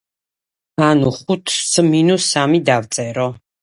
ანუ, ხუთს მინუს სამი დავწერო.